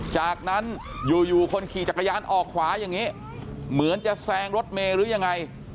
จากนั้นอยู่คนขี่จักรยานออกขวาอย่างนี้เหมือนจะแซงรถเมย์หรือยังไง